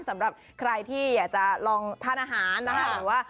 สำหรับใครที่อยากจะลองทานอาหารนะฮะ